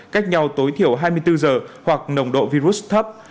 cách nhau tối thiểu hai mươi bốn giờ hoặc nồng độ virus thấp